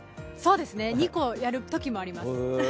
２個やるときもあります。